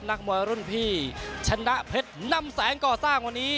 นักมวยรุ่นพี่ชนะเพชรนำแสงก่อสร้างวันนี้